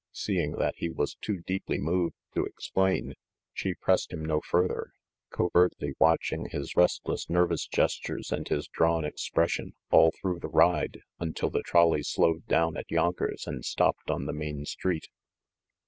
Seeing that he was too deeply moved to explain, she pressed him no further, covertly watching his restless nervous gestures and his drawn expression all through the ride until the trolley slowed down at Yonkers and stopped on the main street.